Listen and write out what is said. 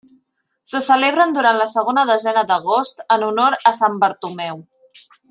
Se celebren durant la segona desena d'agost en honor a Sant Bartomeu.